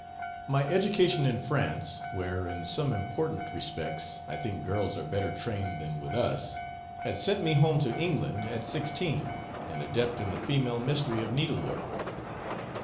My education in France where, in some important respects, I think girls are better trained than with us had sent me home to England, at sixteen, an adept in the female mystery of needlework.